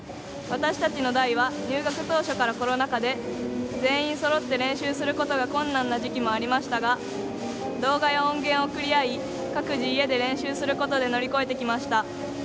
私たちの代は入学当初からコロナ禍で全員そろって練習することが困難な時期もありましたが動画や音源を送り合い各自、家で練習することで乗り越えてきました。